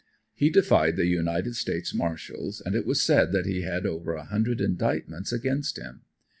He defied the United States marshalls and it was said that he had over a hundred indictments against him.